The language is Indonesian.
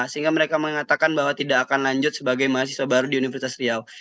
sehingga mereka mengatakan bahwa tidak akan lanjut sebagai mahasiswa baru di universitas riau